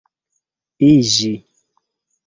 iĝi